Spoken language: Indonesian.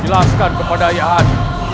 jelaskan kepada yahat